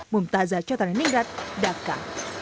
mumtazah chotaneningrat daka